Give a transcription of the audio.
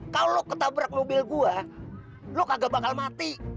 kalau lo ketabrak mobil gue lo kagak bakal mati